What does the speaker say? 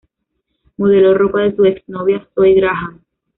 Modeló ropa de su ex-novia Zoe Graham.